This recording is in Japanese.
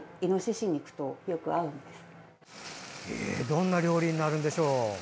どんな料理になるんでしょう。